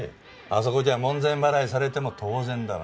あそこじゃ門前払いされても当然だわ。